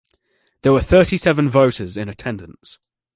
There were thirty-seven voters in attendance.